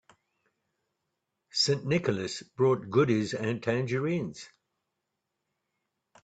St. Nicholas brought goodies and tangerines.